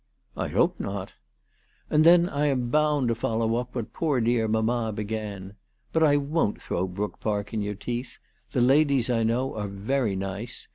"" I hope not." " And then I am bound to follow up what poor dear mamma began. But I won't throw Brook Park in your teeth. The ladies I know are very nice.